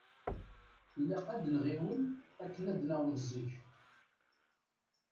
Ilaq ad nɣiwel akken ad naweḍ zik.